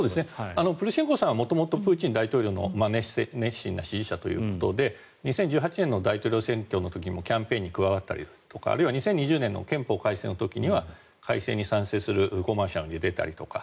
プルシェンコさんは元々プーチン大統領の熱心な支持者ということで２０１８年の大統領選挙の時もキャンペーンに加わったりとかあるいは２０２０年の憲法改正の時には改正に賛成するコマーシャルに出たりとか。